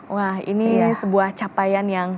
wah ini sebuah capaian yang